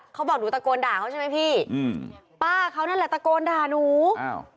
เขาบอกหนูตะโกนด่าเขาใช่ไหมพี่อืมป้าเขานั่นแหละตะโกนด่าหนูอ้าว